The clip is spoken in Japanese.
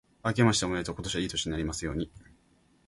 あけましておめでとう。今年はいい年になりますように。